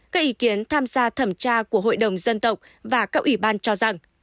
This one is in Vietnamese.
các ý kiến tham gia thẩm tra của hội đồng dân tộc và các ủy ban cho rằng